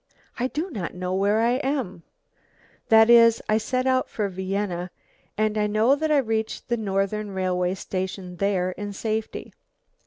I do not know where I am), that is, I set out for Vienna, and I know that I reached the Northern Railway station there in safety.